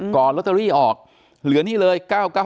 ก่อนโรตเตอรี่ออกเหลือนี่เลย๙๙๙๙๙๗